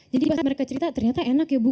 jadi pas mereka cerita ternyata enak ya bu